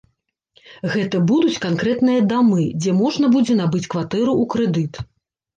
Гэта будуць канкрэтныя дамы, дзе можна будзе набыць кватэру ў крэдыт.